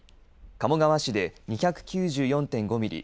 鴨川市で２９４．５ミリ